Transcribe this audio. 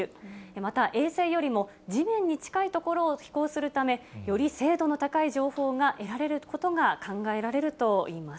また衛星よりも地面に近い所を飛行するため、より精度の高い情報が得られることが考えられるといいます。